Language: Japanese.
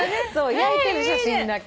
焼いてる写真だけ。